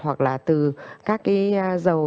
hoặc là từ các cái dầu